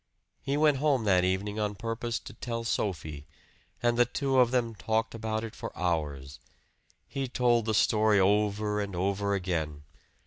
He went home that evening on purpose to tell Sophie; and the two of them talked about it for hours. He told the story over and over again.